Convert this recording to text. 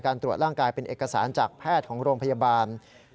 ตรวจร่างกายเป็นเอกสารจากแพทย์ของโรงพยาบาล